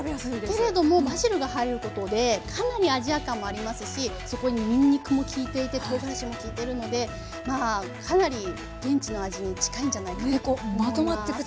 けれどもバジルが入ることでかなりアジア感もありますしそこににんにくも効いていてとうがらしも効いてるのでまあかなり現地の味に近いんじゃないかなと思います。